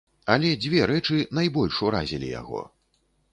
Але дзве рэчы найбольш уразілі яго.